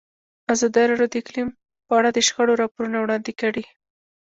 ازادي راډیو د اقلیم په اړه د شخړو راپورونه وړاندې کړي.